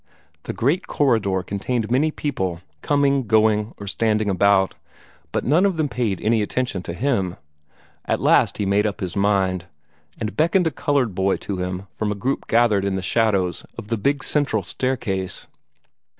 The great corridor contained many people, coming, going, or standing about, but none of them paid any attention to him. At last he made up his mind, and beckoned a colored boy to him from a group gathered in the shadows of the big central staircase.